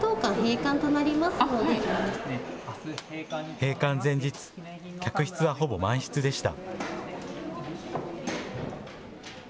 閉館前日、客室はほぼ満室でした。